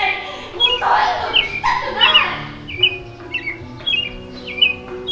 もうそういうの聞きたくない！